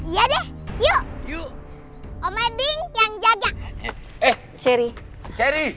yuk yuk omoding yang jaga eh seri seri